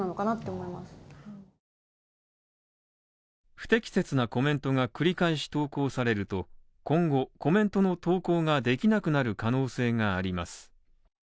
不適切なコメントが繰り返し投稿されると今後コメントの投稿ができなくなる可能性があります。